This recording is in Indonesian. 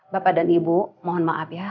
bapak dan ibu mohon maaf ya